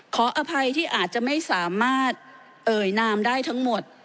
ขออภัยที่อาจจะไม่สามารถเอ่ยนามได้ทั้งหมด